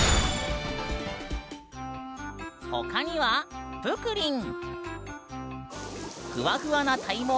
他にはプクリン。